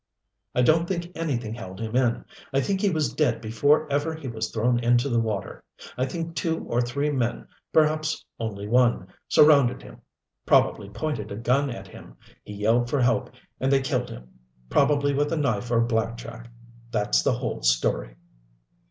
I don't think anything held him in. I think he was dead before ever he was thrown into the water. I think two or three men perhaps only one surrounded him probably pointed a gun at him. He yelled for help, and they killed him probably with a knife or black jack. That's the whole story."